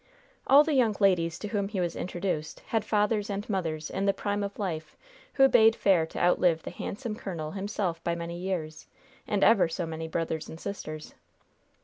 All the young ladies to whom he was introduced had fathers and mothers in the prime of life who bade fair to outlive the handsome colonel himself by many years, and ever so many brothers and sisters.